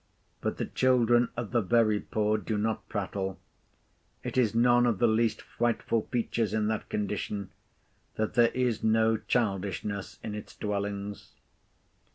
But the children of the very poor do not prattle. It is none of the least frightful features in that condition, that there is no childishness in its dwellings.